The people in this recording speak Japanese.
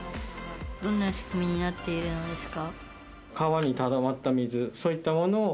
どんな仕組みになっているのですか？